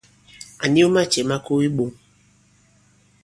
À niw macɛ̌ ma ko i iɓoŋ.